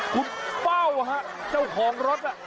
คุณเป้าเจ้าของรถน่ะ